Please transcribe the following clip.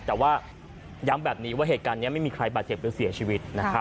แต่ย้ามแบบนี้เย็นว่าเหตุการณ์นี่ไม่มีคนบาดเท็จหรือเสียชีวิต